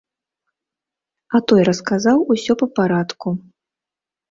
А той расказаў усё па парадку.